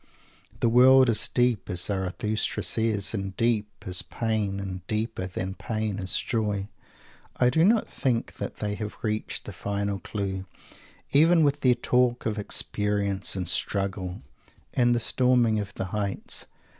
The world is deep, as Zarathustra says, and deep is pain; and deeper than pain is joy. I do not think that they have reached the final clue, even with their talk of "experience" and "struggle" and the "storming of the heights."